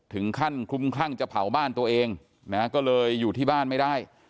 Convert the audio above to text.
ถึงขั้นคลุมคลั่งจะเผาบ้านตัวเองนะก็เลยอยู่ที่บ้านไม่ได้